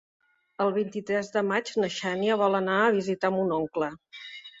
El vint-i-tres de maig na Xènia vol anar a visitar mon oncle.